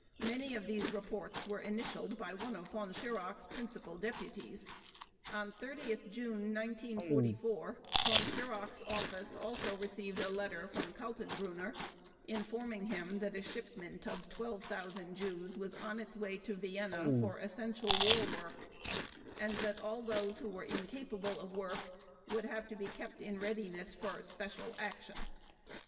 Many of these reports were initialed by one of Von Schirach's principal deputies. On 30 June 1944 Von Schirach's office also received a letter from Kaltenbrunner informing him that a shipment of 12,000 Jews was on its way to Vienna for essential war work and that all those who were incapable of work would have to be kept in readiness for "special action".